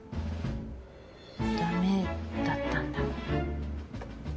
ダメだったんだ。